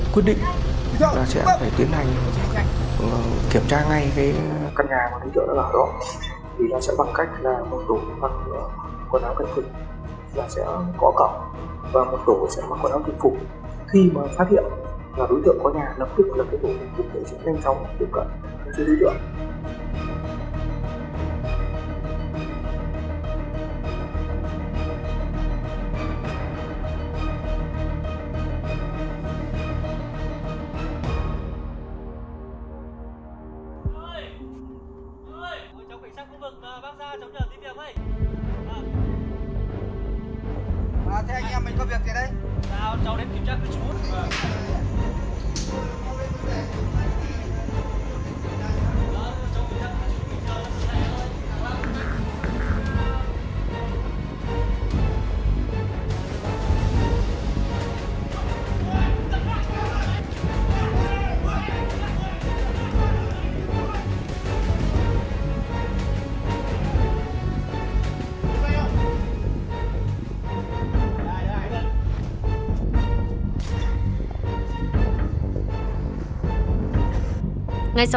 quyết định là sẽ phải tiến hành